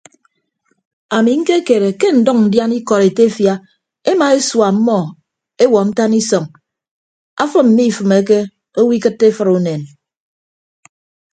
Ami ñkekere ke ndʌñ ndiana ikọd etefia ema esua ọmmọ ewuọ ntan isọñ afịm mmifịmeke owo ikịtte efʌd unen.